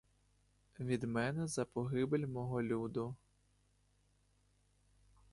Від мене за погибель мого люду.